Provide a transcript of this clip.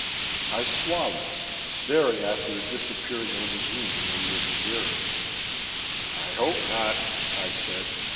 I swallowed, staring after a disappearing limousine in the rear view mirror. "I hope not," I said.